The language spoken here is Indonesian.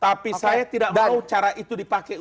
tapi saya tidak mau cara itu dipakai untuk